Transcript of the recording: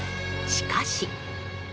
しかし。